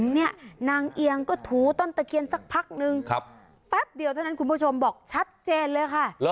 เนี่ยนางเอียงก็ถูต้นตะเคียนสักพักนึงแป๊บเดียวเท่านั้นคุณผู้ชมบอกชัดเจนเลยค่ะ